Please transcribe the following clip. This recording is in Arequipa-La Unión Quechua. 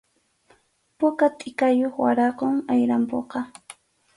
Puka tʼikayuq waraqum ayrampuqa.